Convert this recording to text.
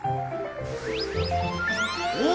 お！